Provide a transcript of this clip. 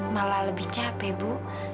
malah lebih capek bu